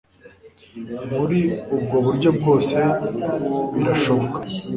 Muri ubwo buryo byose birashoboka